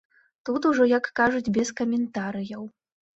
Тут ужо, як кажуць, без каментарыяў.